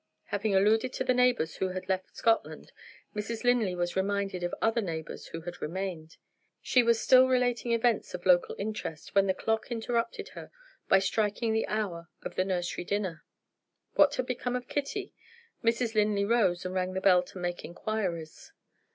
Having alluded to the neighbors who had left Scotland, Mrs. Linley was reminded of other neighbors who had remained. She was still relating events of local interest, when the clock interrupted her by striking the hour of the nursery dinner. What had become of Kitty? Mrs. Linley rose and rang the bell to make inquiries.